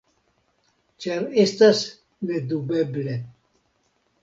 Ĉar estas nedubeble.